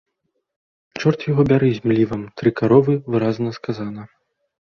Чорт яго бяры з млівам, тры каровы, выразна сказана.